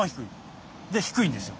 で低いんですよ。